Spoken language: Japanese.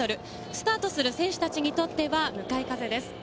スタートする選手たちにとっては向かい風です。